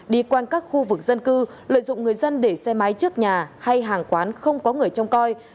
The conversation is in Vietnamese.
đi quanh các khu vực dân cư lợi dụng người dân để xe máy trước nhà hay hàng quán không có người trông coi